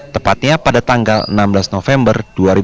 tepatnya pada tanggal enam belas november dua ribu dua puluh